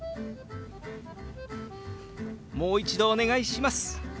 「もう一度お願いします」。